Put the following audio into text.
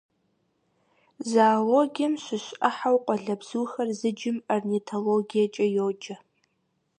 Зоологием щыщ Ӏыхьэу къуалэбзухэр зыджым орнитологиекӀэ йоджэ.